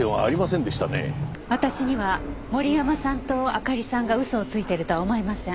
私には森山さんとあかりさんが嘘をついてるとは思えません。